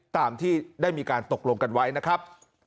ตามที่ได้มีการตกลงกันไว้นะครับ